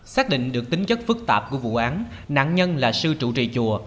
xác định được tính chất phức tạp của vụ án nạn nhân là sư trụ trì chùa